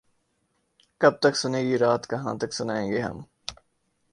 کب تک سنے گی رات کہاں تک سنائیں ہم